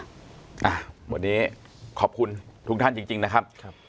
อ่ะวันนี้ขอบคุณทุกท่านจริงนะครับ